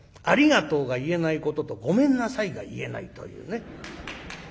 「ありがとう」が言えないことと「ごめんなさい」が言えないというね。